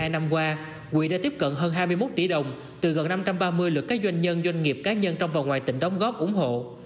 hai năm qua quỹ đã tiếp cận hơn hai mươi một tỷ đồng từ gần năm trăm ba mươi lượt các doanh nhân doanh nghiệp cá nhân trong và ngoài tỉnh đóng góp ủng hộ